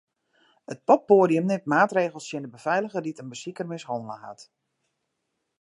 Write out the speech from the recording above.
It poppoadium nimt maatregels tsjin de befeiliger dy't in besiker mishannele hat.